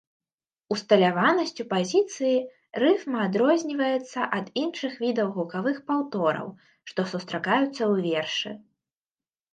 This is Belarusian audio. Усталяванасцю пазіцыі рыфма адрозніваецца ад іншых відаў гукавых паўтораў, што сустракаюцца ў вершы.